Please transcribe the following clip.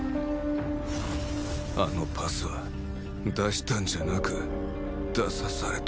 あのパスは出したんじゃなく出さされた